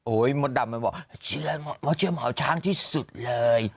โอ้ยมดดำมันบอกเชื่อหมอว่าเชื่อหมอช้างที่สุดเลย